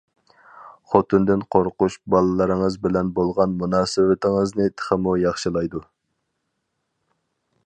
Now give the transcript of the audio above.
خوتۇندىن قورقۇش باللىرىڭىز بىلەن بولغان مۇناسىۋىتىڭىزنى تېخىمۇ ياخشىلايدۇ.